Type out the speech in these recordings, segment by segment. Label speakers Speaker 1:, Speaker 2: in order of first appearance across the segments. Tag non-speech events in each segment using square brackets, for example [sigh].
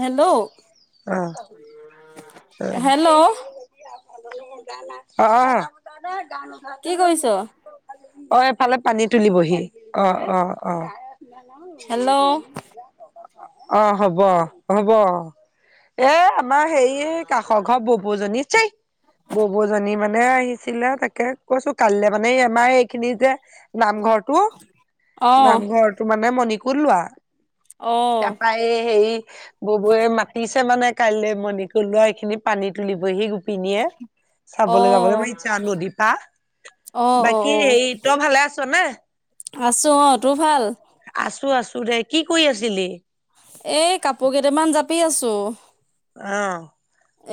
Speaker 1: Hello
Speaker 2: আহ
Speaker 1: hello
Speaker 2: উ অ অ
Speaker 1: কি কৰিছ?
Speaker 2: অ এফালে পানী তুলিবহি অ অ অ
Speaker 1: হেল্ল'
Speaker 2: অ হব হব এ আমাৰ সেই কাষৰ ঘৰ বোবুজনী চেই ববৌজনী মানে আহিছিলে তাকে কৈছো কালিলে মানে আমাৰ এইখিনি যে নামঘৰ
Speaker 1: অ
Speaker 2: নামঘৰটো মানে মণিকোত লোৱা
Speaker 1: অ অ
Speaker 2: তাপা এই হে ববৌয়ে মাতিছে মানে কাইলে মণিকুট লোৱা এইখিনি পানী তুলি বহি গো পিনীয়ে চাবলে যাবলে ইমান ইচ্ছা নদী পা
Speaker 1: অ অ
Speaker 2: বাকী
Speaker 1: অ
Speaker 2: সেই তই ভালে আছ নে
Speaker 1: আছো অ তোৰ ভাল
Speaker 2: আছো আছো দে কি কৰি আছিলি
Speaker 1: এই কাপোৰ কেইটামান জাপি আছো
Speaker 2: অ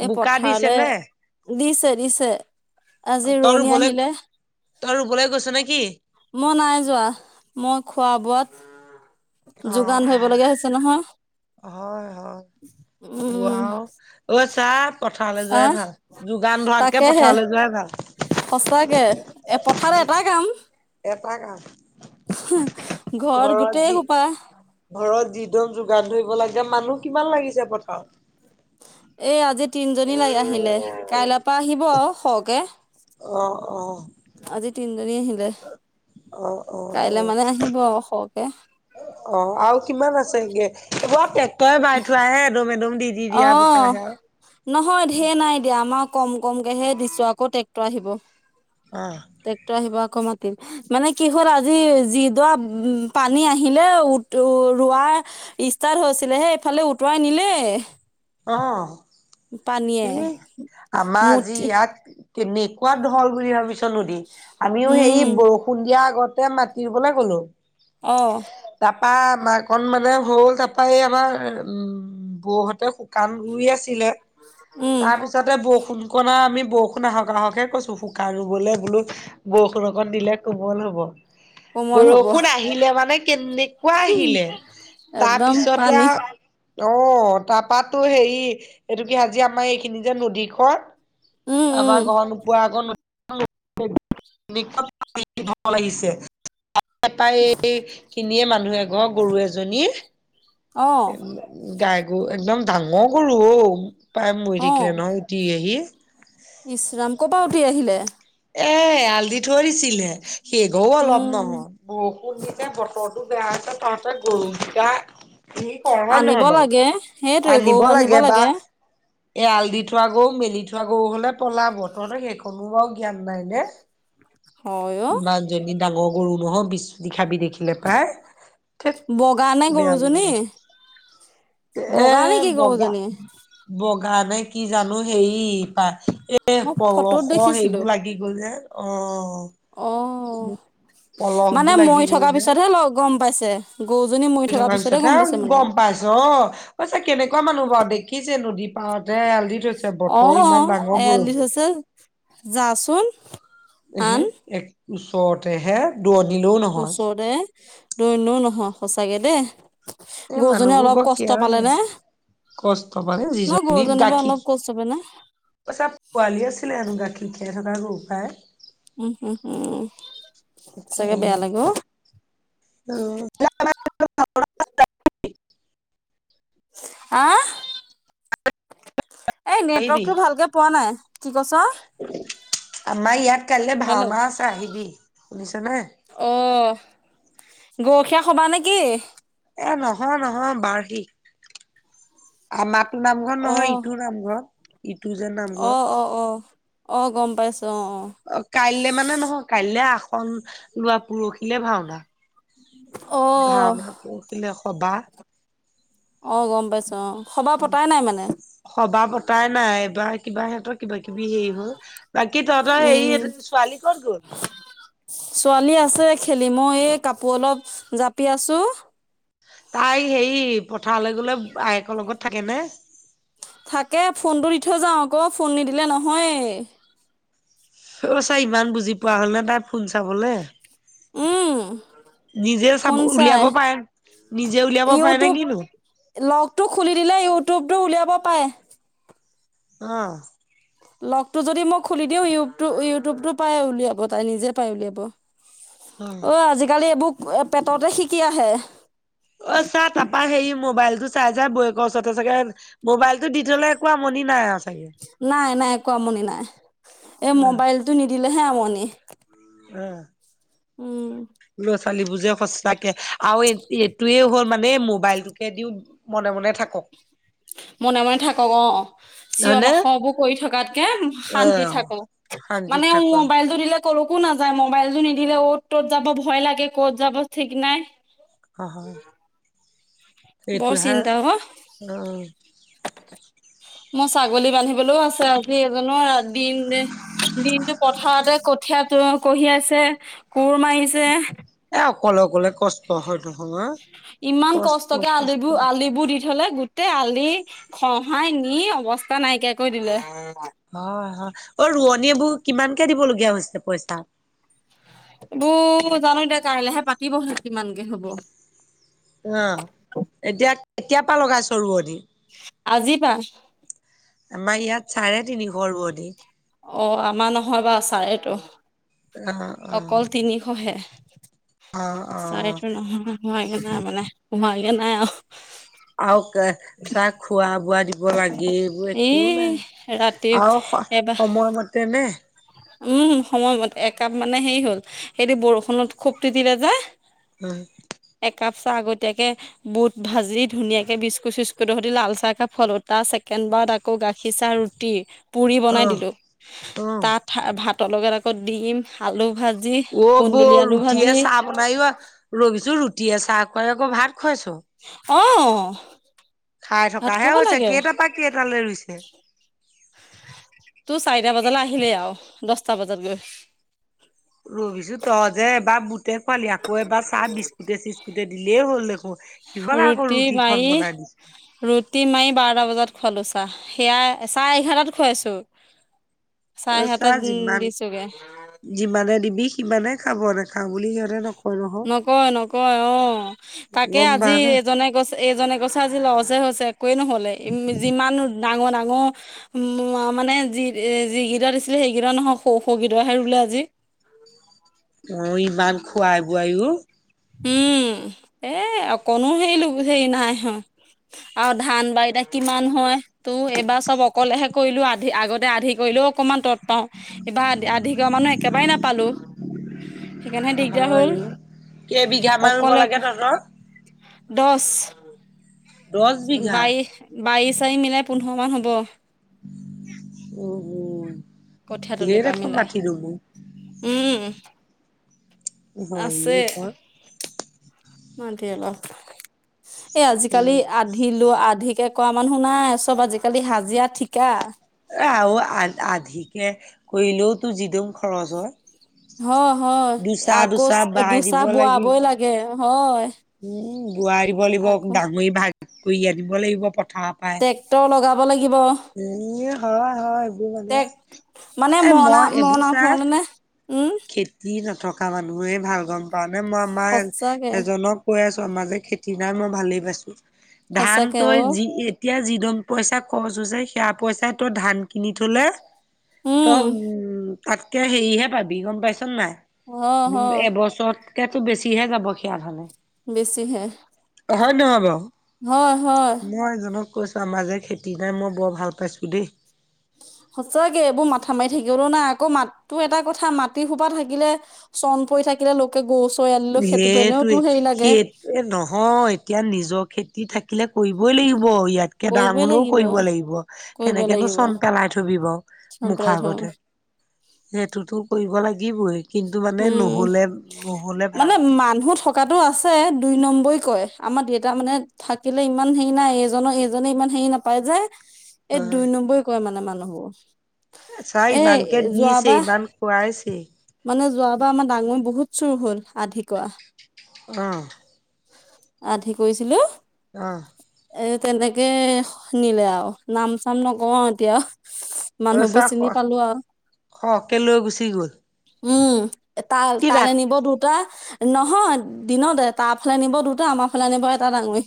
Speaker 1: এই
Speaker 2: বোকা দিছে
Speaker 1: পথাৰলে
Speaker 2: নে
Speaker 1: দিছে দিছে আজি
Speaker 2: অ তই
Speaker 1: ৰোৱনী
Speaker 2: ৰুবলে
Speaker 1: আহিলে
Speaker 2: তই ৰুবলে গৈছ নে কি
Speaker 1: মই নাই যোৱা মই খোৱা বোৱাত যোগান
Speaker 2: আহ
Speaker 1: ধৰিব লগীয়া হৈছে নহয়
Speaker 2: অ হয় হয় গোৱা
Speaker 1: উম
Speaker 2: অ আচ্ছা পথাৰলে যোৱাই
Speaker 1: আহ
Speaker 2: ভাল যোগান ধৰাতকে
Speaker 1: তাকেহে
Speaker 2: পথাৰলে যোৱাই ভাল
Speaker 1: সঁচাকে এ পথাৰত এটা কাম
Speaker 2: এটা কাম
Speaker 1: ঘৰত গোটেই সোপা
Speaker 2: ঘৰত যিদম যোগান ধৰিব লাগে মানুহ কিমান লাগিছে পথাৰত
Speaker 1: এই আজি তিনজনী লাগ আহিলে কাইলে পৰা আহিব সৰকে
Speaker 2: অ অ
Speaker 1: আজি তিনিজনী আহিলে
Speaker 2: অ' অ'
Speaker 1: কাইলে
Speaker 2: অ'
Speaker 1: মানে আহিব সৰকে
Speaker 2: অ আৰু কিমান আছে গে এইবোৰ আও ট্ৰেক্টৰে বাই থোৱাহে এদম এদম দি দি
Speaker 1: অ
Speaker 2: দিয়া বোকাহ হে আও
Speaker 1: নহয় ঢেৰ নাই দিয়া আমাৰ কম কমকেহে দিছো আকৌ ট্ৰেক্টৰ আহিব
Speaker 2: অ
Speaker 1: ট্ৰেক্টৰ আহিব আকৌ মাতি মানে কি হ'ল আজি যি দৱা উ পানী আহিলে উ উত ৰোৱা ষ্টাৰ্ট হৈছিলে হে এইফালে উটোৱাই নিলে
Speaker 2: অ উম আমাৰ আজি
Speaker 1: মুঠি
Speaker 2: ইয়াত কেনেকুৱা ঢল বুলি ভাবিছ নদী আমিও সেই
Speaker 1: উম
Speaker 2: বৰষুণ দিয়া আগতে মানে সাতুৰিবলে গ'লো
Speaker 1: অ
Speaker 2: তাৰপা মাকন মানে হ'ল তাৰপা এই আমাৰ উম বৌহতে শুকান শুই আছিলে
Speaker 1: উম
Speaker 2: তাৰ পিছতে বৰষুণ কণা আমি বৰষুণ আহক আহকে কৈছো বোকা ৰুবলে বোলো বৰষুণ অকণ দিলে কোমল হ'ব
Speaker 1: কোমল হ'ব
Speaker 2: বৰষুণ আহিলে মানে কেনেকুৱা আহিলে
Speaker 1: একদম
Speaker 2: তাৰপিছতে
Speaker 1: পানী
Speaker 2: আৱ অ তাৰপাতো হেৰি এইটো কি আাজি আমাৰ এইখিনি যে নদীখন
Speaker 1: উম উম
Speaker 2: আমাৰ ঘৰ নোপোৱা আগত [unintelligible] লাগিছে তাপা তাই এই খিনিয়ে মানুহ এঘৰ গৰু এজনীৰ
Speaker 1: অ
Speaker 2: গাই গৰু একদম ডাঙৰ গৰু অঔ পাই মৰি
Speaker 1: অ
Speaker 2: থাকিলে নহয় [unintelligible]
Speaker 1: ইচৰাম ক'ৰ পৰা উটি আহিলে
Speaker 2: এ এয়াল দি থৈ দিছিলে সেঘও অলপ
Speaker 1: উম
Speaker 2: নহয় বৰষুণ দিছে বতৰটো বেয়া হৈছে তহতে গৰুকেইটা কি কৰো হয়
Speaker 1: আনিব
Speaker 2: নহয় বাৱ
Speaker 1: লাগে সেইটোৱে গৰু
Speaker 2: আনিব
Speaker 1: বান্ধিব
Speaker 2: লাগে বা এয়াল দি থোৱা গৰু মেলি থোৱা গৰু হলে পলাব তহতৰ সেইকনো বাৰু জ্ঞান নাই নে
Speaker 1: হয় অ
Speaker 2: বা যদি ডাঙৰ গৰু হয় বিশ বিঘা নেপাই থেইত
Speaker 1: বগা নে
Speaker 2: বেয়া
Speaker 1: গৰুজনী
Speaker 2: লাগিলে এ
Speaker 1: বগা নেকি
Speaker 2: বগা
Speaker 1: গৰুজনী
Speaker 2: বগানে কি জানো হেই পা এ
Speaker 1: মই ফটোত
Speaker 2: পলসৰ সেইবোৰ
Speaker 1: দেখিছিলো
Speaker 2: দি গ'ল যে অ
Speaker 1: অ মানে
Speaker 2: পলসবোৰ লাগি
Speaker 1: মৰি থকা পিছতহে গম পাইছে গৰুজনী
Speaker 2: মৰি থকাৰ
Speaker 1: পিছতে গম পাইছে
Speaker 2: পিছতহে
Speaker 1: মানে
Speaker 2: গম পাইছে অ ছা কেনেকুৱা মানুহ বাৱ দেখিছে নদী সিহঁতে এয়াল দি থৈছে
Speaker 1: অ
Speaker 2: বতৰ ইমান ডাঙৰ বৰষুণ
Speaker 1: [unintelligible] যা চোন
Speaker 2: এহে এক ওচৰতে হে দৌৰ দিলেও নহয়
Speaker 1: দৈ এনেও নহয় সচাকে দেই
Speaker 2: এই
Speaker 1: গৰুজনীয়ে
Speaker 2: মানুহবোৰ
Speaker 1: অলপ
Speaker 2: বৰ
Speaker 1: কষ্ট পালে
Speaker 2: কেয়াৰলেছ
Speaker 1: নে
Speaker 2: কষ্ট মানে
Speaker 1: অ
Speaker 2: যিজনী
Speaker 1: গৰুজনী বাৱ অলপ কষ্ট পালে নে
Speaker 2: কৈছে পোৱালি আছিলে হেনো গাখীৰ খীয়াই থকা গৰু পাই
Speaker 1: উম হম হম সচাকে বেয়া লাগে অ
Speaker 2: অ
Speaker 1: আহ এই
Speaker 2: আহিবি
Speaker 1: নেটৱৰ্কটো ভালকে পোৱা নাই কি কৈছ
Speaker 2: আমাৰ ইয়াত কাইলে
Speaker 1: হেল্ল'
Speaker 2: ভাওনা আছে আহিবি শুনিছ নাই
Speaker 1: অ গৰখীয়া হবা নে কি
Speaker 2: এ নহয় নহয় বাৰহি আমাৰটো নামঘৰ
Speaker 1: অ
Speaker 2: নহয় ইটোৰ নামঘৰ ইটো যে
Speaker 1: অ
Speaker 2: নামঘৰ
Speaker 1: অ অ অ গম পাইছো অ অ
Speaker 2: অ কাইলে মানে নহয় কাইলে আসন লোৱা পৰহিলে ভাওনা
Speaker 1: অ
Speaker 2: [unintelligible]
Speaker 1: অ
Speaker 2: পৰখিলে সবাহ
Speaker 1: অৱ গম পাইছো অৱ।
Speaker 2: সবাহ পতাই নাই এইবাৰ কিবা সিহঁতৰ কিবা কিবি হেই হ'ল বাকী তহঁতৰ
Speaker 1: উম
Speaker 2: হে ছোৱালী ক'ত গ'ল?
Speaker 1: ছোৱালী আছে খেলি মই এই কাপোৰ অলপ জাপি আছো।
Speaker 2: তাই হেৰি পথাৰলৈ গ'লে বাইয়েকৰ লগত থাকেনে!
Speaker 1: থাকে ফোনটো দি থৈ যাওঁ আকৌ ফোন নিদিলে নহয়ে।
Speaker 2: অ ছাই ইমান বুজি পোৱা হ'ল ন তাই ফোন চাবলে।
Speaker 1: উম
Speaker 2: নিজে চাব
Speaker 1: ফোন চাই
Speaker 2: উলিয়াব পাৰে, নিজে উলিয়াব পাৰে নে
Speaker 1: ইউটিউব
Speaker 2: কিনু!
Speaker 1: লগটো খুলি দিলে ইউটিউবটো উলিয়াব পাৰে।
Speaker 2: অৱ।
Speaker 1: লগতটো যদি মই খুলি দিওঁ ইউ ইউটিউবতটো পাই উলিয়াব তাই নিজে পাই উলিয়াব। অ আজিকালি এইবোৰ পেটতে শিকি আহে।
Speaker 2: অ চাৰ্ট তাৰপা হেৰি মোবাইল টো চাই যাই বয়েকৰ ওচৰতে থাকে মোবাইলতটো দি থ'লে একো আমনি নাই আৰু চাগে
Speaker 1: নাই নাই একো আমনি নাই এই
Speaker 2: অ',
Speaker 1: মোবাইলটো নিদিলেহে আমনি।
Speaker 2: হে
Speaker 1: উম।
Speaker 2: ল'ৰা ছোৱালীবোৰে যে সচাঁকে আৰু এইটোৱে হ'ল মানে মোবাইলটোকে দিওঁ মনে মনে থাকক।
Speaker 1: মনে মনে থাকক অৱ। চিঞৰ
Speaker 2: হয়নে
Speaker 1: বাখবোৰ কৰি থকাতকে শান্তি
Speaker 2: অ'।
Speaker 1: থাকক,
Speaker 2: শান্তিত
Speaker 1: মানে
Speaker 2: থাকক
Speaker 1: মোবাইলতটো দিলে কলৈকো নাযায় মোবাইল টো নিদিলে অতি ত'ত যাব ভয় লাগে ক'ত যাব ঠিক নাই।
Speaker 2: [unintelligible]
Speaker 1: বৰ
Speaker 2: সেইটোহে
Speaker 1: চিন্তা অ'।
Speaker 2: অ'।
Speaker 1: মোৰ ছাগলী বান্ধিবলৈওঁ আছে আজি এজনো দিন দিনটো পথাৰতে কঠিয়া কঢ়িয়াই আছে। কোৰ মাৰিছে।
Speaker 2: এ অকলে অকলে কষ্ট তহৰ ধংসনত।
Speaker 1: ইমান কষ্টকে আলিবোৰ আলিবোৰ দি থলে গোটেই আলি খহাই নি অৱস্থা নাইকিয়া কৰি দিলে।
Speaker 2: হয় হয় অ' ৰোৱনী এইবোৰ কিমানকে দিবলগীয়া হৈছে পইচা?
Speaker 1: এইবোৰ জানো এতিয়া কাইলৈহে পাতিবহে কিমানকে হ'ব।
Speaker 2: অ এতিয়া কেতিয়াৰ পৰা লগাইছ ৰোৱনী?
Speaker 1: আজিপা।
Speaker 2: আমাৰ ইয়াত চাৰে তিনিশ ৰোৱনী।
Speaker 1: অ আমাৰ নহয় বাৰ চাৰেটো
Speaker 2: অ অ
Speaker 1: অকল তিনিশহে।
Speaker 2: অ অ
Speaker 1: চাৰিটো নহয় সোমাইে নাই মানে সোমাইে নাই আৰু
Speaker 2: আৰু কে চাহ খোৱা বোৱা দি দিৱ লাগিবই একো
Speaker 1: এই
Speaker 2: নাই
Speaker 1: ৰাতি
Speaker 2: আৰু
Speaker 1: এবাৰ
Speaker 2: সময়মতে নে
Speaker 1: উম সময়মতে একাপ মানে হেৰি হ'ল সেইটো বৰষুণত খোব তিতিলে যে
Speaker 2: উম।
Speaker 1: একাপ চাহ আগতীয়াকে বুট ভাজি ধুনীয়াকে বিস্কুট চিক্টুত ট সতে লাল চাহ কাপ খোৱালো তাৰ চছেকেণ্ড বাৰত আকৌ গাখীৰ চাহ ৰুতি ৰুতি, পুৰি বনাই দিলোঁ।
Speaker 2: অ
Speaker 1: ভা, ভাতৰ লগে আকৌ দি দিম, আলু ভাজি
Speaker 2: অ বৌ
Speaker 1: কুন্দুলি আলু
Speaker 2: ৰুটিয়ে
Speaker 1: ভাজি
Speaker 2: চাহ বনাইও, ৰবিছো ৰুটি চাহ খোৱাই আকৌ ভাত খুৱাইছ।
Speaker 1: অ,
Speaker 2: খাই
Speaker 1: ভাত
Speaker 2: থকাহে
Speaker 1: খাব
Speaker 2: হৈছে,
Speaker 1: লাগে
Speaker 2: কেইটাৰ পৰা কেইটালৈ ৰুইছে?
Speaker 1: তোৰ চাৰিটা বজালে আহিলে আৰু দছটা বজাত গৈ।
Speaker 2: ৰবজি তই যে এবাৰ বুটে খোৱালি, আকৌ এবাৰ চাহ বিস্কুটে-চিস্কুটে দিলেই হ'ল দেখো বোলে, আকৌ
Speaker 1: ৰুটি
Speaker 2: ৰুতিখন
Speaker 1: মাৰি
Speaker 2: বনাই দিছ
Speaker 1: [inaudible] বাৰটা বজাত খোৱালোঁ চাহ, সেয়াই চাহ এঘাৰটাত খুৱাইছোঁ। ছাৰে
Speaker 2: অ চা
Speaker 1: এঘাৰটাত দি,
Speaker 2: যিমান
Speaker 1: দিছোগে।
Speaker 2: যিমানে দিবি, সিমানে খাব নাখাওঁ বুলি সিহঁত
Speaker 1: নকয়, নকয়, অ, তাকে
Speaker 2: গম
Speaker 1: আজি
Speaker 2: পাৱ না
Speaker 1: এজনে গৈছে এজনে কৈছে, আজি লজে হৈছে একোৱেই নহ'লে ই যিমান ডাঙৰ, ডাঙৰ মানে যি যিকেইটা দিছিলে সেইকেইটা নহওঁক সৰু সৰু গীতাহে ৰুলে আজি।
Speaker 2: অ, ইমান খোৱাই-বোৱাইও।
Speaker 1: উম, এ, অকনো হে, হেৰি নাই হোৱা। আৰু ধান বা এতিয়া কিমান হয়? তো, এইবাৰ চ'ব অকলেহে কৰিলো আধি আগতে আধি কৰিলেও, অকনমান তৎ পাওঁ। এইবাৰ আধিঘা, মানুহ একেবাৰেই নাপালো, সেইকাৰণেহে দিগদাৰ
Speaker 2: হয়
Speaker 1: হ'ল।
Speaker 2: অ কেইবিঘা মান ৰুব লাগে তহঁতৰ?
Speaker 1: দছ।
Speaker 2: দহ বিঘা
Speaker 1: বাই, বাইচাৰি মিলাই পোন্ধৰ মান হ'ব।
Speaker 2: উম, উম,
Speaker 1: কঠীয়া তলিৰ পৰা
Speaker 2: গিয়েৰে ক'ত
Speaker 1: মিলাই
Speaker 2: মাটি ৰ
Speaker 1: উম,
Speaker 2: হয়,
Speaker 1: আছে
Speaker 2: নিখন
Speaker 1: মাটি অলপ, এই
Speaker 2: এ
Speaker 1: আজিকালি আ আধি লো, আধিকে কৰা মানুহ নাই, চ'ব আজিকালি হাজিৰা, ঠিকা।
Speaker 2: আৰু আ, আধিকে কৰিলেওতো যি দিম খৰচ হয়।
Speaker 1: হয়, হয়,
Speaker 2: দুচা
Speaker 1: আকৌ
Speaker 2: দুচা বাই দিব
Speaker 1: দুচাহ
Speaker 2: লাগিব।
Speaker 1: বোৱাবই লাগে, হয়।
Speaker 2: উম, বোৱাই দিব লাগিব
Speaker 1: আকৌ
Speaker 2: ডাঙৰি ভাগ কৰি আনিব লাগিব পথাৰৰ পৰাই।
Speaker 1: ট্ৰেক্টৰ লগাব লাগিব।
Speaker 2: এ হয় হয় এইবোৰ
Speaker 1: তে,
Speaker 2: মানে
Speaker 1: মানে
Speaker 2: এ
Speaker 1: মৰনা,
Speaker 2: মই এইবোৰ
Speaker 1: মৰনা
Speaker 2: চা
Speaker 1: ফো, মানে। উম,
Speaker 2: খেতি নথকা মানুহেই ভাল গম পা, নে মই আমাৰ
Speaker 1: সঁচাকে
Speaker 2: এজনক কৈ আছো আমাৰ যে খেতি নাই মই ভালেই পাইছো, ধান
Speaker 1: সঁচাকে
Speaker 2: তই
Speaker 1: অ
Speaker 2: যি এতিয়া যিদম পইচা খৰচ হৈছে, সেয়া পইচাই তই ধান কিনি থলে। তই উম, তাতকে হেৰিহে পাবি গম পাইছোন
Speaker 1: হয় হয়
Speaker 2: নাই। এবছৰতকে বেছিহে যাব সেয়া ধানে।
Speaker 1: বেছি হে।
Speaker 2: হয, নে নহয় বা
Speaker 1: হয়, হয়।
Speaker 2: মই, এজনক কৈছো আমাৰ যে খেতি নাই মই বৰ ভাল পাইছো দেই।
Speaker 1: সঁচাকৈ এইবোৰ মাথা মাৰি থাকিবলৈও নাই, আকৌ মাতটো এটা কথা মাটি সোপা থাকিলে। চন, পৰি থাকিলে লোকে গৰু চৈ, আনিলে সেইটো
Speaker 2: সেইটোৱে
Speaker 1: পেনেওতো হেৰি
Speaker 2: সি
Speaker 1: লাগে।
Speaker 2: এ, নহয় এতিয়া নিজৰ খেতি থাকিলে কৰিবই লাগিব ইয়াত [unintelligible] দাম
Speaker 1: কৰিবই
Speaker 2: হ'লেও
Speaker 1: লাগিব
Speaker 2: কৰিব লাগিব।
Speaker 1: কৰিব
Speaker 2: কেনেকেনো
Speaker 1: লাগিব
Speaker 2: চোন পেলাই থবি বাৰু
Speaker 1: চন
Speaker 2: মুখৰ
Speaker 1: পেলাই থওঁ
Speaker 2: আগতে। সেইটোতো কৰিব লাগিবই। কিন্তু মানে,
Speaker 1: উম
Speaker 2: নহ'লে, নহ'লে ভাল
Speaker 1: মানে, মানুহ থকাতো আছে, দুই নম্বৰী কৰে। আমাৰ দেউতা মানে, থাকিলে ইমান হেৰি নাই, এজনৰ এজনে ইমান সেৰি নাপায় যে!
Speaker 2: অ
Speaker 1: এই, দুই নম্বৰী কৰে মানে, মানুহবোৰ।
Speaker 2: চা
Speaker 1: এ
Speaker 2: ইমানকে দিছেই,
Speaker 1: যোৱাবাৰ
Speaker 2: ইমান খুৱাইছেই!
Speaker 1: মানে, যোৱাবাৰ আমাৰ, ডাঙৰী বহুত চুৰ হ'ল আধি কৰা।
Speaker 2: অ'!
Speaker 1: আধি কৰিছিলোঁ।
Speaker 2: অ'!
Speaker 1: এ, তেনেকে নিলে আৰু নাম-চাম নকওঁ আৰু এতিয়া।
Speaker 2: [unintelligible]
Speaker 1: মানুহবোৰ চিনি পালো আৰু
Speaker 2: সৰহকে লৈ গুচি গ'ল।
Speaker 1: উম! তাল,
Speaker 2: কি
Speaker 1: তালে
Speaker 2: ৰাত
Speaker 1: নিব দুটা। নহয়! দিনতে। তাৰ ফালে নিব দুটা, আমাৰ ফালে নিব এটা ডাঙৰী।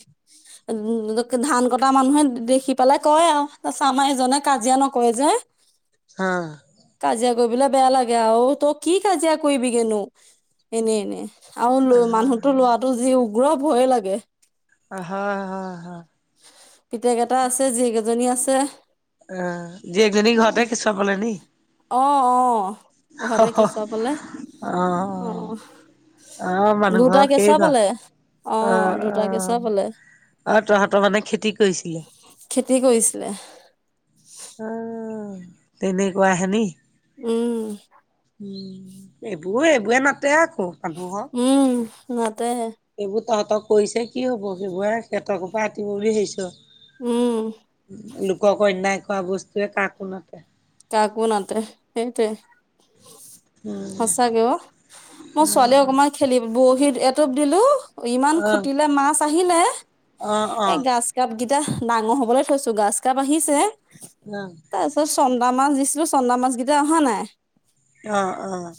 Speaker 1: [unintelligible] ধান কটা মানুহে, দেখি পালে কয় আৰু! তাৰপাছত, আমাৰ এইজনে কাজিয়া নকৰে যে।
Speaker 2: অ'!
Speaker 1: কাজিয়া কৰিবলে বেয়া লাগে আৰু! তই কি কাজিয়া কৰিবিগেনো! এনে, এনে। আৰু [unintelligible]
Speaker 2: আহ
Speaker 1: মানুহতো লোৱাটো যি উগ্ৰ, ভয়ে লাগে!
Speaker 2: হয়, হয়, হয়!
Speaker 1: পিতেক এটা আছে, জীয়েক এজনী আছে।
Speaker 2: অ' জীয়েকজনী ঘৰতে
Speaker 1: [unintelligible]
Speaker 2: কেঁচুৱাপালে নি?
Speaker 1: অ' অ'! ঘৰত
Speaker 2: অ'
Speaker 1: কেঁচুৱা পালে। অ'!
Speaker 2: অ' মানুহ ঘৰ
Speaker 1: দুটা
Speaker 2: সেই
Speaker 1: কেঁচুৱা
Speaker 2: ঘৰ
Speaker 1: পালে, অ'! দুটা কেঁচুৱা পালে।
Speaker 2: অ'! তহঁতৰ মানে, খেতি কৰিছিলে?
Speaker 1: খেতি কৰিছিলে।
Speaker 2: অ'! তেনেকুৱা [unintelligible]
Speaker 1: উম!
Speaker 2: উম, এইবোৰে- এইবোৰে মাতে, আকৌ।
Speaker 1: উম, মাতে।
Speaker 2: সেইবোৰ তহঁতক কৰিছে, কি হ'ব! সেইবোৰে সিহঁতৰ ঘৰ পৰা, আঁতৰিব বুলি ভাবিছ।
Speaker 1: উম
Speaker 2: লোকক অন্যায় কৰা বস্তুয়ে কাকো নাতে।
Speaker 1: কাকো নাতে, সেইটোৱে!
Speaker 2: অ'
Speaker 1: সঁচাকে অ'! মই, ছোৱালীয়ে অকমান খেলি, বৰশী এটোপ দিলোঁ, ইমান
Speaker 2: অ'
Speaker 1: খুটিলে মাছ! আহিলে?
Speaker 2: অ'
Speaker 1: এ,
Speaker 2: অ'
Speaker 1: গাছ কাপ কেইটা ডাঙৰ হ'বলৈ থৈছোঁ, গাছ কাপ আহিছে।
Speaker 2: [unintelligible]
Speaker 1: তাৰপিছত, চন্দা মাছ দিছিলোঁ, চন্দা মাছ কেইটা অহা নাই।
Speaker 2: অ' অ'!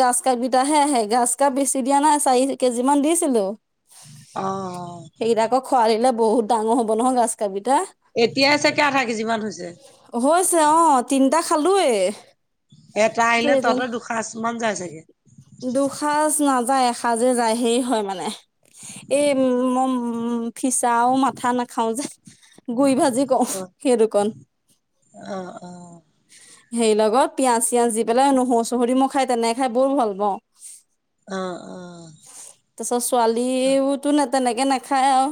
Speaker 1: গাছ কাপ কিটাহে আহে। গাজ কাপ বেছি দিয়া নাই, চাৰি কেজি মান দিছিলোঁ।
Speaker 2: অ' অ'!
Speaker 1: সেইকেইটা আকৌ, খোৱাই দিলে বহুত ডাঙৰ হ'ব নহয়, গাছ কাপ কিটা।
Speaker 2: এতিয়াই চাগে, আধা কেজি মান হৈছে।
Speaker 1: হৈছে অ'! তিনিটা খালোৱে।
Speaker 2: এটা আহিলে, তহঁতৰ দুসাঁজ মান যায় চাগে?
Speaker 1: দুসাঁজ নাযায়, এসাঁজে যায়, সেই হয় মানে। এই, [unintelligible] ফিচাও মাথা নাখাওঁ যে, গুই ভাজি ক সেইটো কণ
Speaker 2: অ অ
Speaker 1: সেই লগত পিয়াজ চিয়াজ দি পেলাই নহৰু চহৰু দি মই খাই তেনেকে খাই বৰ ভাল পাওঁ
Speaker 2: অ অ
Speaker 1: তা-চত ছোৱালীবো তো নে তেনেকে নেখাই আউ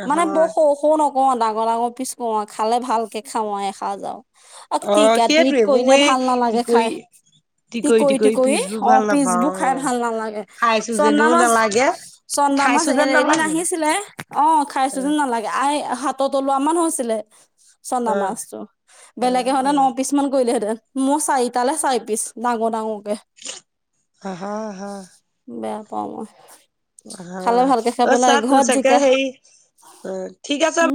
Speaker 2: অ',
Speaker 1: মানে
Speaker 2: হয়
Speaker 1: বৰ সৰু সৰু নকও ডাঙৰ ডাঙৰ পিছ কৰোঁ খালে ভালকে খাওঁ আৰু এসাঁজ আও অ টিকাটিক
Speaker 2: সেইটোৱে মোৰ
Speaker 1: কৰিলে
Speaker 2: এই
Speaker 1: ভাল নালাগে
Speaker 2: টিকৰি
Speaker 1: খাই টিকৰি টিকৰি
Speaker 2: পিছবোৰ
Speaker 1: অ
Speaker 2: ভাল নাপাওঁ
Speaker 1: পিছবোৰ
Speaker 2: অ
Speaker 1: খাই ভাল নালাগে
Speaker 2: খাইছো
Speaker 1: চন্দা
Speaker 2: যেনেও
Speaker 1: মাছ
Speaker 2: নালাগে
Speaker 1: চন্দা মাছ
Speaker 2: খাইছো
Speaker 1: এ
Speaker 2: যেন
Speaker 1: এদিন
Speaker 2: নালাগে
Speaker 1: আহিছিলে অ খাইছোঁ
Speaker 2: অ
Speaker 1: যেন নালাগে আই হা-ত তলোৱা মান হৈছিলে চন্দা
Speaker 2: অ
Speaker 1: মাছটো
Speaker 2: অ
Speaker 1: বেলেগে হলে ন পিচ মান কৰিলেহেঁতেন মই চাৰিটালে চাৰি পিচ ডাঙৰ ডাঙৰকে
Speaker 2: আ-হা হা
Speaker 1: বেয়া পাওঁ মই
Speaker 2: হ
Speaker 1: খালে ভালকে খাব
Speaker 2: অ
Speaker 1: লাগে
Speaker 2: চাহ তো
Speaker 1: ঘৰত
Speaker 2: চাগে
Speaker 1: জিকা
Speaker 2: সেই অ ঠিক আছে
Speaker 1: উম